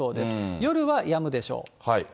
夜はやむでしょう。